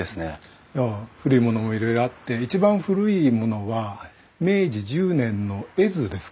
いや古いものもいろいろあって一番古いものは明治１０年の絵図ですかね。